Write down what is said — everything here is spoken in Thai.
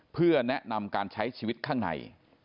เพื่อแนะนำการใช้ชีวิตข้างใน